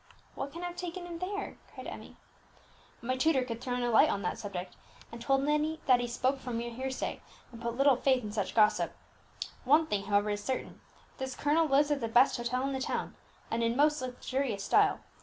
"What can have taken him there?" cried Emmie. "My tutor could throw no light on that subject, and told me that he spoke from mere hearsay, and put little faith in such gossip. One thing, however, is certain, this colonel lives at the best hotel in the town, and in most luxurious style.